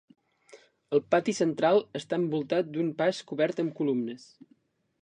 El pati central està envoltat d'un pas cobert amb columnes.